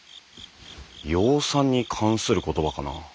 養蚕に関する言葉かな？